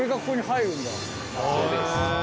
そうです。